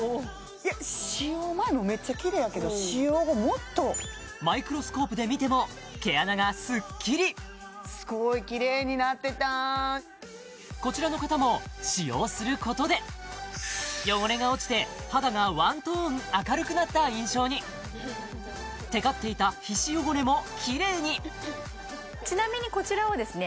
使用前もめっちゃキレイやけど使用後もっとマイクロスコープで見ても毛穴がスッキリすごいキレイになってたこちらの方も使用することで汚れが落ちて肌がワントーン明るくなった印象にテカっていた皮脂汚れもキレイにちなみにこちらをですね